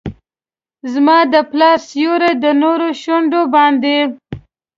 زما د پلار سیوري ، د ونو شونډو باندې